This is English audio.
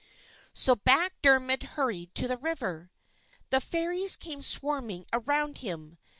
So back Dermod hurried to the river. The Fairies came swarming around him.